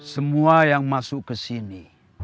semua yang masuk ke sini